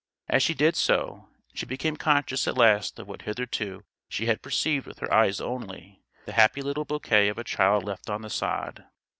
As she did so, she became conscious at last of what hitherto she had perceived with her eyes only: the happy little bouquet of a child left on the sod.